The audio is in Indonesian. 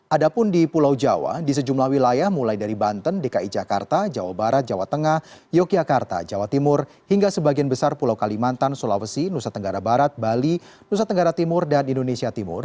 ada pun di pulau jawa di sejumlah wilayah mulai dari banten dki jakarta jawa barat jawa tengah yogyakarta jawa timur hingga sebagian besar pulau kalimantan sulawesi nusa tenggara barat bali nusa tenggara timur dan indonesia timur